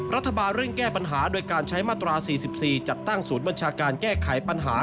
รัฐบาลเร่งแก้ปัญหาโดยการใช้มาตรา๔๔จัดตั้งศูนย์บัญชาการแก้ไขปัญหา